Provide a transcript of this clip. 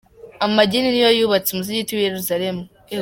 Amagini niyo yubatse umusigiti w’i Yerusalemu.